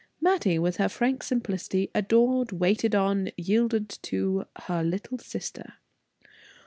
Mattie, with her frank simplicity, adored, waited on, yielded to, her "little sister."